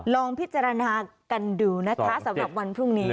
ลองพิจารณากันดูนะคะสำหรับวันพรุ่งนี้